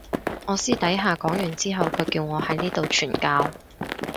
我私底下講完之後佢叫我喺呢度傳教